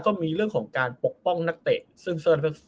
ก็มีเรื่องของการปกป้องนักเตะซึ่ง